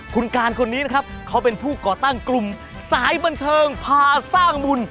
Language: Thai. คุณการคนนี้นะครับเขาเป็นผู้ก่อตั้งกลุ่มสายบันเทิงพาสร้างบุญ